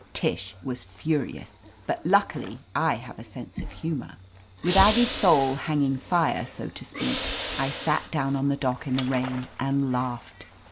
Tish was furious, but luckily, I have a sense of humor. With Aggie's soul hanging fire, so to speak, I sat down on the dock in the rain and laughed.